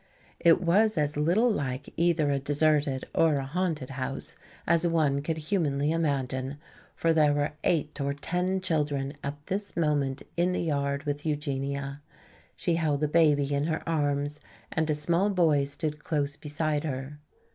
It was as little like either a deserted or a haunted house as one could humanly imagine. For there were eight or ten children at this moment in the yard with Eugenia. She held a baby in her arms and a small boy stood close beside her.